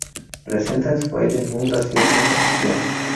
Presenta en su baile un gracioso zapateo.